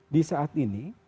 di saat ini